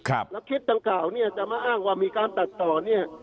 แล้วคลิปดังกล่าวเนี่ยจะมาอ้างว่ามีการตัดต่อเนี่ย